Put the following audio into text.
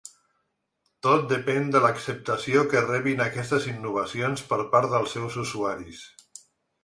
Tot depèn de l’acceptació que rebin aquestes innovacions per part dels seus usuaris.